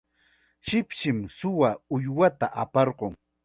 shipshim suwa uywata aparqun.